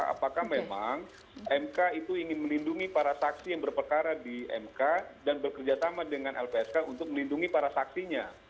apakah memang mk itu ingin melindungi para saksi yang berperkara di mk dan bekerja sama dengan lpsk untuk melindungi para saksinya